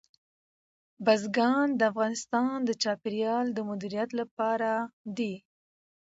بزګان د افغانستان د چاپیریال د مدیریت لپاره دي.